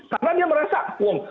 karena dia merasa uang